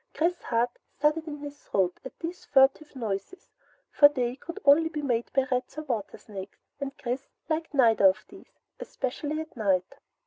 Chris's heart thudded in his throat at these furtive noises, for they could only be made by rats or watersnakes, and Chris liked neither of these, especially by night.